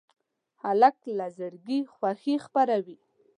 هلک له زړګي خوښي خپروي.